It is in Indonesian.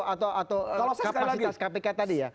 kapasitas kpk tadi ya